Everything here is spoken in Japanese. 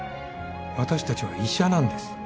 私たちは医者なんです。